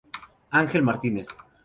Ángel Martínez.